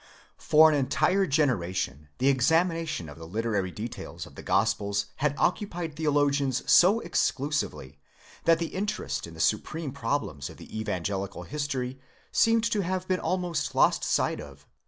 For an entire generation the examination of the literary details of the Gospels had occupied theo logians so exclusively that the interest in the supreme problems of the evangelical history seemed to have been almost lost sight of.